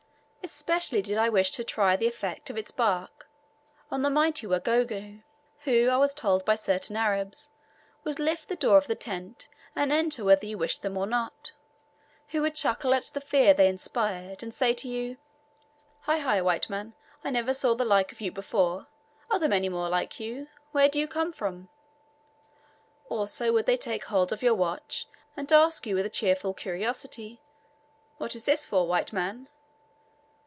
Especially did I wish to try the effect of its bark on the mighty Wagogo, who, I was told by certain Arabs, would lift the door of the tent and enter whether you wished them or not; who would chuckle at the fear they inspired, and say to you, "Hi, hi, white man, I never saw the like of you before; are there many more like you? where do you come from?" Also would they take hold of your watch and ask you with a cheerful curiosity, "What is this for, white man?"